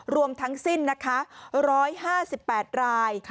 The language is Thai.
รวมทั้งสิ้นนะคะ๑๕๘ราย